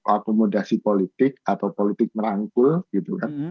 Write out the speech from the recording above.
akomodasi politik atau politik merangkul gitu kan